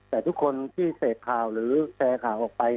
แต่ทุกคนที่เสพข่าวหรือแชร์ข่าวออกไป